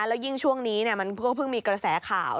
แล้วยิ่งช่วงนี้มันก็เพิ่งมีกระแสข่าว